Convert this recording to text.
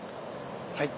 はい。